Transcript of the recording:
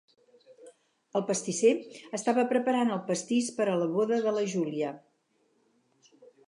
El pastisser estava preparant el pastís per a la boda de la Júlia.